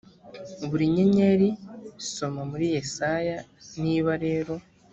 buri nyenyeri soma muri yesaya niba rero